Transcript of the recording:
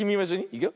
いくよ。